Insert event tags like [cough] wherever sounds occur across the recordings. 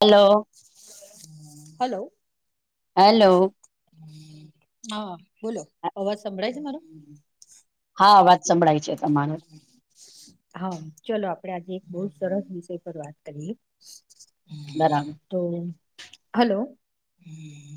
Hello hello hello હા બોલો અવાજ સંભળાય છે મારો આ અવાજ સંભળાય છે તમારો હા ચલોો આપડે આજે બહ સરસ વિષય પર વાત કરીએ બરાબર તો હલો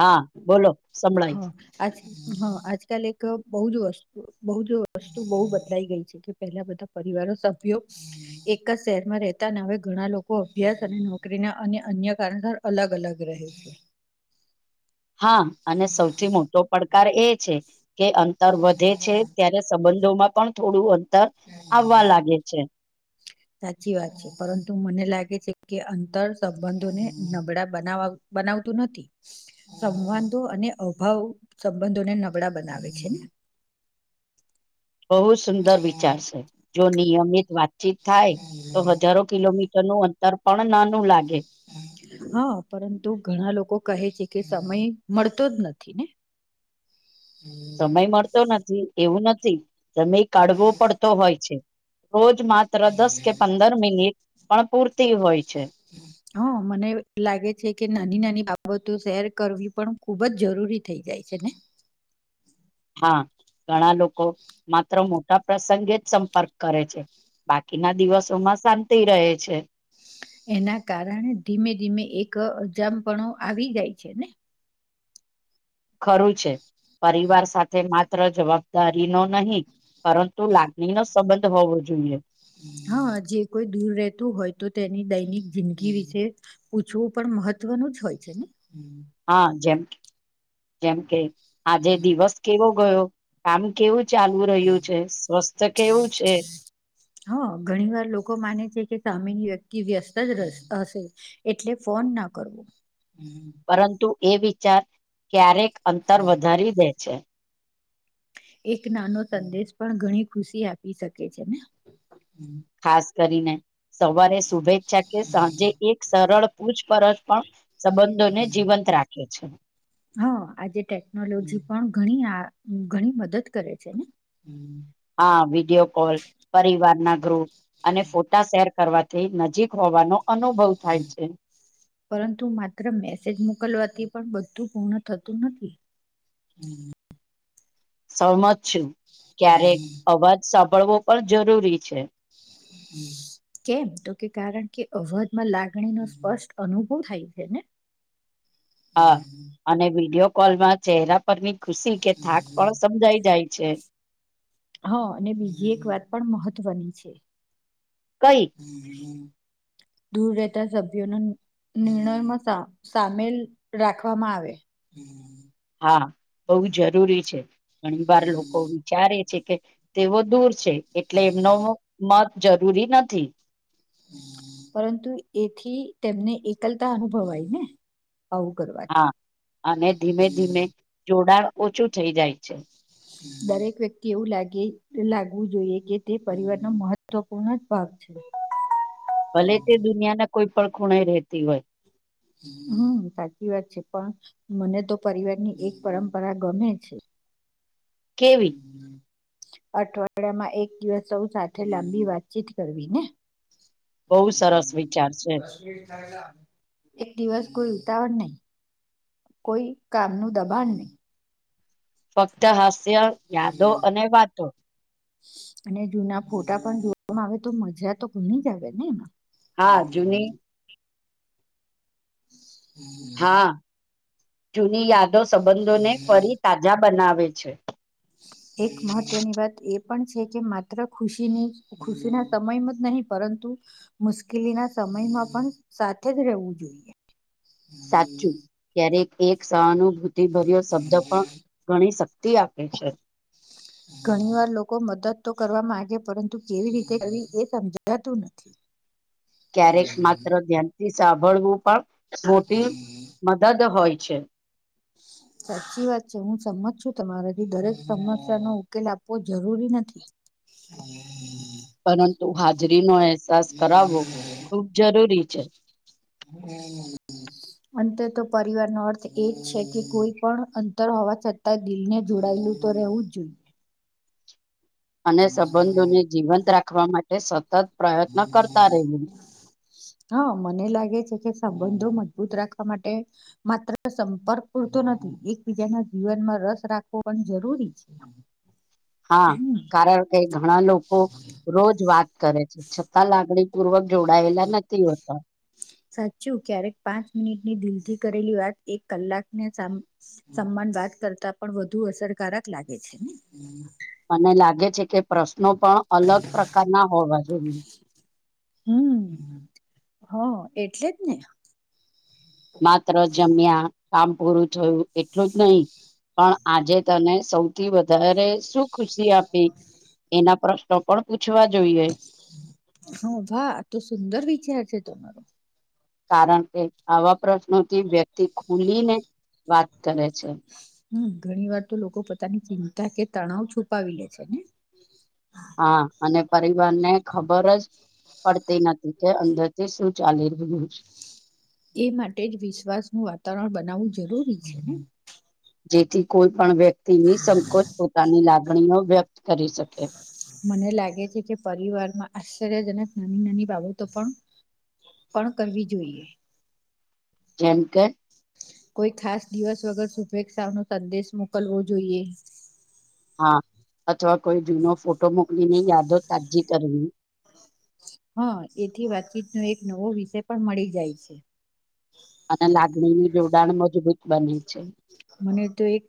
હા બોલો સંભળાય હા છે. આજ હા આજકાલ એક બહુ જ વસ્તુ બહુ જો વસ્તુ બહુ બદલાઈ ગઈ છે પહેલા બધા પરિવારો સભ્યો એક જ શહેરમાં રહેતાને હ ઘણા લોકો અભ્યાસ અને નોકરીના અને અન્ય કારણસ અલગ અલગ રહે છે હા અને સૌથી મોટો પડકાર એ છે કે અંતર વધે છે ત્યારે સંબંધોમાં પણ થોડું અંતર આવવા લાગે છે સાચી વાત છે પરંતુ મને લાગે છે કે અંતર સંબંધોને નબળા બનાવા બનાવતું નથી સંવાંધો અને અભાવ સંબંધોને નબળા બનાવે છે ને [inaudible] બહુ સુંદર વિચારશે જો નિયમિત વાતચીત થાય તો હજારો કિલોમીટર નું અંતર પણ નાનું લાગે હા પરંતુ ઘણા લોકો કહે છે કે સમય મળતો જ નથી ને સમય મળતો નથી એવું નથી સમય કાઢવો પડતો હોય છે રોજ માત્ર દસ કે પંદર મિનિટ પણ પૂરતી હોય છે હમ હ મને લાગે છે કે નાની નાની બાબતો શેર કરવી પણ ખુબ જ જરૂરી થઈ જાય કેને [inaudible] હા ઘણા લોકો માત્ર મો પ્રસંગે જ સંપર્ક કરે છે બાકીના દિવસોમાં શાંતિ રહે છે એના કારણે ધીમે ધીમે એક અજામ પણણ આવી જાય છે ને ખરું છે પરિવાર સાથે માત્ર જવાબદારી નો નહી પરંતુ લાગણી નો સંબંધ હોવો જોઈએ હા જે કોઈ દૂર રતું હોય તો તેની દૈનિક જિંદગી વિશે પૂછવું પણ મહત્વનું જ હોય છે ને હા જેમ કે જેમ કે આજે દિવસ કેવો ગયો આમ કેવું ચાલુ રહ્યું છે સ્વસ્થ કેવું છે હા ઘણી વાર લોકો માને છે કે સામેની વ્યક્તિ વ્યસ્ત જ હશે એટલે ફોન ના કરવો હમ પરંતુ એ વિચાર ક્યારેક અંતર હમ વધારી દે છે એક નાનો સંદેશ પણ ઘણી ખુશી આપી શકે છે ને ખાસ કરીને સવારે શુભેચ્છા કે સાંજે એક સરળ પૂછપરછ પણ સંબંધોને જીવંત રાખે અચ્છા હા આજે ટેકનોલોજી પણ ઘણી આ ઘણી મદદ કરે છે ને હા વિડીિયો કોલ પરિવાર ના ગ્રુપ અને ફોટા શેર કરવાથી નજીક હોવાનો અનુભવ થાય છે પરંતુ માત્ર મેસેજ મોકલવાથી પણ બધું ું પૂર્ણ થતું નથી સમજ છું ક્યારેક અવાજ સાંભળવો પણ જરૂરી છે કેમ તો કે કારણ કે અવધમાં લાગણી નો સ્પષ્ટ અનુભવ થાય છે એને હા અને વિડીિયો કોલ માં ચહેરા પરની ખુશી કે થાક પણ સમજાય જાય છે હા અને બીજી એક વાત પણ મહત્વની છે કઈ દૂર રહેતા સભ્યોનો નિર્ણયમાં સામેલ રાખવામાં આવે હા બહ જરૂરી છે ઘણી વાર લોકો વિચારે છે કે તેઓ દૂર છે એટલે એમનો મત જરૂરી નથી પરંતુ એથી તેમને એકલતા અનુભવાય ને આવું કરવાથી હા અને ધીમે ધીમે જોડાણ ઓછું થઈ જાય છે દરેક વ્યક્તિ એવું લાગે લાગવું જોઈએ કે તે પરિવાર ન મહત્વપૂર્ણ જ ભાગ છે ભલે તે દુનિયાને કોઈ પણ ખૂણાઈ રહેતી હોય હમ સાચી વાત છે પણ મને તો પરિવારની એક પરંપરા ગમે છે કેવી હમ અઠવાડિયામાં એક દિવસ સૌ સાથે લાંબી વાતચીત કરવી ને બહુ સરસ વિચાર છે દસ મિટ થ એક દિવસ કોઈ ઉતાવળ નહી કોઈ કામનું દબાણ નહી ફક્ત હાસ્ય યાદો અને વાતો અને જૂના ફોટા પણ જોવામાં આવે તો મજા તો ઘણી જ આવે ને એમાં હા જૂની હા જૂની યાદો સંબંધોને ફરી તાજા બનાવે છે પ છે એક મહત્વની વાત એ પણ છે કે માત્ર ખુશીની ખુશીના સમયમાં જ નહીં પરંતુ મુશ્કેલી ના સમયમાં પણ સાથે જ રહેવું જોઈએ સાચું ત્યારે એક સહાનુભૂતિભર્યો શબ્દ પણ ગણી શક તે આપે છે ઘણી વાર લોકો મદદ તો કરવા માંગે પરંતુ કેવી રીતે કર એ સમજાતું નથી ક્યારેક માત્ર ધ્યાનથી સાંભળવું પણ મોટી મદદ હોય ્ છેી સાચી વાત છે હું સમજ છું તમારાથી દરેક સમસ્યા નો ઉકેલ આપવો જરૂરી નથી હમ પરંતુ હાજરીનોો અહેસાસ કરાવવો ખૂબ જરૂરી છે હમ અંતે તો પરિવાર નો અર્થ એ જ છે કે કોઈ પણ અંતર હોવા છતાં દિલને જોડાય હું તો રહેવું જ છું અને સંબંધોને જીવંત રાખવા માટે સતત પ્રયત્ન કરતા રહેવું હા મને લાગે છે કે સંબંધો મજબૂત રાખવા માટે માત્ર સંપર્ક પૂરતો નથી એકબીજાના જીવનમાં રસ રાખવો પણ જરૂરી છે હા કારણ કે ઘણા લોકો રોજ વાત કરે છે છતાં લાગણી પૂર્વક જોડાયેલા નથી હોતા સાચું ક્યારેક પાંચ મિનિટની દિલ થી કરેલી વાત એક કલાકને સમાન વાત કરતા પણ વધુ અસરકારક લાગે છે હમ મને લાગે છે કે પ્રશ્નો પણ અલગ પ્રકારના હોવા જોઈએ હમ હ એટલે જ ને માત્ર જમ્યા કામ પૂરું થયું એટલું જ નહી પણ આજે તને સૌથી વધારે [unintelligible] આપે એના પ્રશ્નો પણ પૂછ હા વાહ તો સુંદર વિચાર છે તમારો કારણ કે આવા પ્રશ્નોથી વ્યક્તિ ખુલીને વાત કરે છે હમ ઘણી વાર તો લોકો પોતાની ચિંતા કે તણાવ છુપાવી લે છે ને હા અને પરિવાર ને ખબર જ પડતી નથી કે અંદરથી શું ચાલી રહ્યું છે એ માટે જ વિશ્વાસનું વાતાવરણ બનાવવું જરૂરી છે ને જેથી કોઈ પણ વ્યક્તિની સંકોચ પોતાની લાગણીઓ વ્યક્ત કરી શકે મને લાગે છે કે પરિવાર માં આશ્ચર્યજનક નાની નાની બાબતો પણ પણ કરવી જોઈએ જેમકે કોઈ ખાસ દિવસ વગર શુભેચ્છા નો સંદેશ મોકલવો જોઈએ હા અથવા કોઈ જૂનો ફોટો મોકલીને યાદો તાજી કરવી હા એથી વાતચીતનો એક નવો વિષય પણ મળી જાય છે અને લાગણીનું જોડાણ મજબૂત બને છે મને તો એક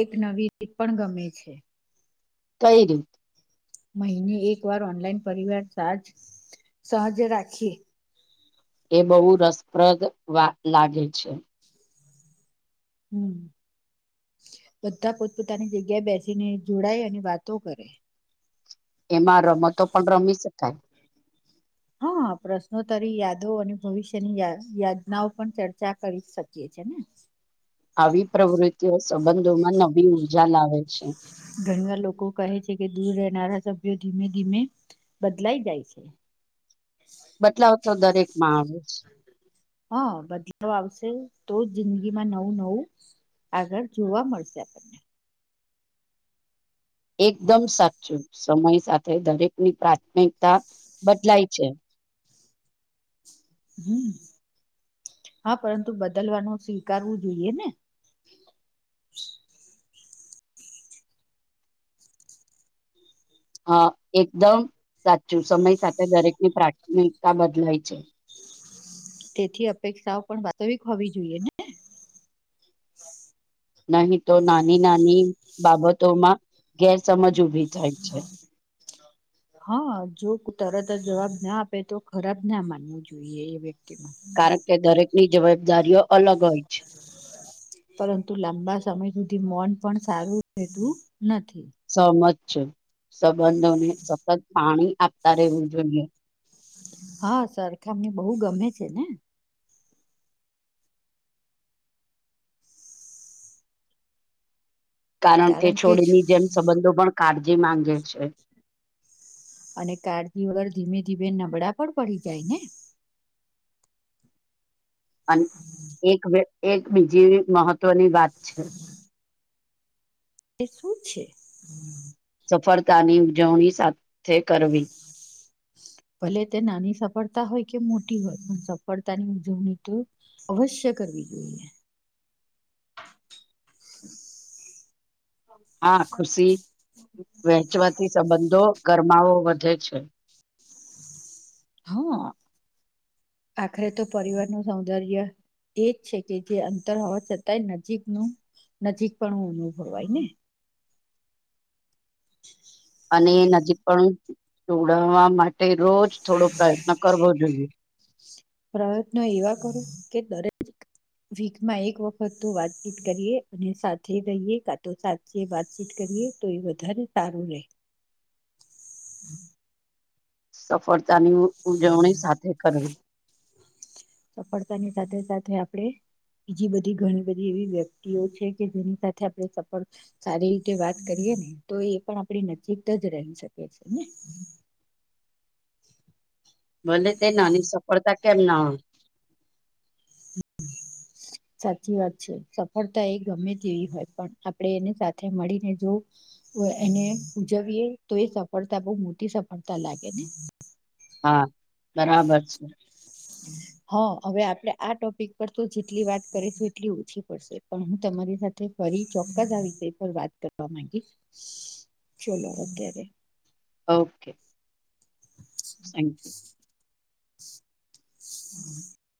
એક નવી રીત પણ ગમે છે કઈ રીત મહિને એક વાર ઓનલાઈન પરિવાર સાજ સહજ રાખીએ એ બહુ રસપ્રદ વાત લાગે છે હમ બધા પોતપોતાની જગ્યાએ બેસીને જોડાય અને વાતો કરે એમાં રમતો પણ રમી શકાય હા પ્રશ્નોત્તરી યાદો અને ભવિષ્યની યાદનાઓ પણ ચર્ચા કરી શકીએ છીએ છે ને આવી પ્રવૃત્તિઓ સંબંધોમાં નવી ઉર્જા લાવે છે ઘણી વાર લોકો કહે છે કે દૂર રહેનારા સભ્યો ધીમે ધીમે બદલાઈ જાય છે બદલાવ તો દરેક માં આવે હા બદલાવ આવશે તો જ જિંદગી માં નવું નવું આગળ જોવા મળશે આપણને એકદમ સાચું સમય સાથે દરેક ની પ્રાથમિકતા બદલાય છે હમ હા પરંતુ બદલવાનું સ્વીકારવું જોઈએ ને [inaudible] હ એકદમ સાચું સમય સાથે દરેકની પ્રાથમિકતા બદલાય છે તેથી અપેક્ષાઓ પણ વાસ્તવિક હોવી જોઈએ ને નહી તો નાની નાની બાબતોમાં ગેરસમજ ઉઊભી થાય છે હા જો તરત જ જવાબ ના આપે તો ખરાબ ના માનવું જોઈએ એ વક્તિ કારણ કે દરેક ની જવાબદારીઓ અલગ હોય છે પરંતુ લાંબા સમય સુધી મન પણ સારું રહેતું નથી સહમત છે સંબંધોને સતત પાણી આખત્યારે ઉર્જવ્યો હા સરખામણી બહુ ગમે છે ને કારણ તે કે છોડીની છ- જેનસબંધો પણ કાળજી માંગે છે અને કળજી વગર ધીમે ધીમે નબળા પણ પડી જાય ને એક એક બીજી મહત્વની વાત છે એ શું છે સફળતાની ઉજવણી સાથે કરવી ભલે તે નાની સફળતા હોય કે મોટી હોય પણ સફળતાની ઉજવણી તો અવશ્ય કરવી જોઈએ [inaudible] હા ખુશી વહેંચવાથી સંબંધો ગરમાવો વધે છે હા આખરે તો પરિવારનું સૌંદર્ય એજ છે કે જે અંતર હોવા છતાંય નજીકનું નજીક પણ અનુભવાયને અને નજીક પણ જોડવા માટે તે રોજ થોડો પ્રયત્ન કરવો જોઈએ પ્રયત્ન એવા કરો કે દરેક વીકમાં એક વખત તો વાતચીત કરીએ અને સાથે રહીએ કાતો સાથે વાતચીત કરીએ તો એ વધારે સારું રહેે [inaudible] [inaudible] સફળતાની ઉજવણી સાથે કરવી સફળતાની સાથે સાથે આપડે બીજી બધી ઘણી બધી એવી વ્યક્તિઓ છે કે જેની સાથે આપણે સફળ સારી રીતે વાત કરીએ ને તો એ પણ આપણી નજીક જ રહી શકે છેને [inaudible] ભલે તે નાની સફળતા કેમ ના [inaudible] સાચી વાત છે સફળતા એ ગમે તેવી હોય પણ આપણેે એને સાથે મળીને જો એને ઉજવીએ તો એ સફળતા બઉ મોટી સફળતા લાગે ને હા બરાબર છે [inaudible] હા હવે આપણે આ ટોપિક પર તો જેટલી વાત કરીશું એટલી ઓછી પડશે પણ હું તમારી સાથે ફરી ચોક્કસ આ વિષય પર વાત કરવા માંગીશ ચોલો અત્યારે ઓકે થેન્ક યુ [inaudible]